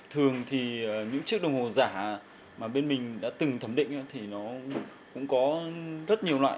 thường thì những chiếc đồng hồ giả mà bên mình đã từng thẩm định thì nó cũng có rất nhiều loại